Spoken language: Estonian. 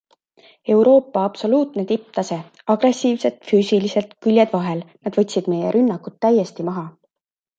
Euroopa absoluutne tipptase - agressiivsed, füüsilised, küljed vahel - nad võtsid meie rünnakud täiesti maha.